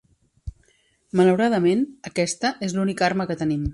Malauradament, aquesta és l'única arma que tenim.